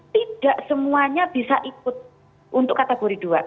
tidak semuanya bisa ikut untuk kategori dua